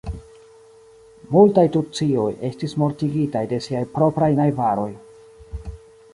Multaj tucioj estis mortigitaj de siaj propraj najbaroj.